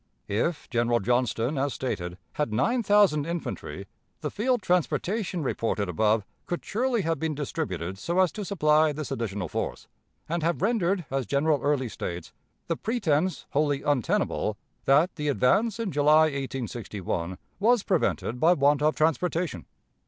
If General Johnston, as stated, had nine thousand infantry, the field transportation reported above could surely have been distributed so as to supply this additional force, and have rendered, as General Early states, the pretense wholly untenable that the advance in July, 1861, was prevented by want of transportation.